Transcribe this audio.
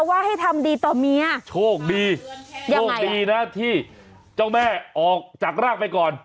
ว่าให้ทำดีต่อเมียโชคดีโชคดีนะที่เจ้าแม่ออกจากรากไปก่อน